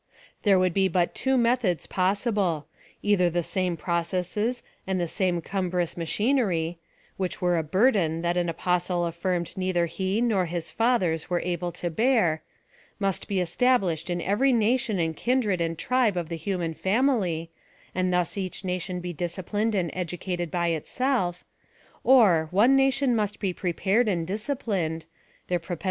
There would be but two methods possible — either the same processes, and the same cumbrous ma chinery, (which were a ' burden' that an apostle af firmed neither he nor his fathers were able to bear) must be established in every nation and kindred and tribe of the human family, and thus each nation be disciplined and educated by itself: or, one nation must be prepared and disciplined, — their proper